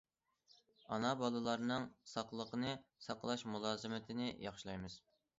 ئانا- بالىلارنىڭ ساقلىقىنى ساقلاش مۇلازىمىتىنى ياخشىلايمىز.